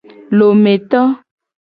Lometo.